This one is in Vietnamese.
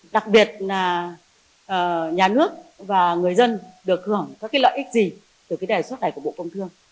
đặc biệt là nhà nước và người dân được hưởng các cái lợi ích gì từ cái đề xuất này của bộ công thương